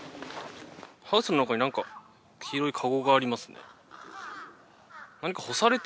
ハウスの中になんか黄色いカゴがありますね。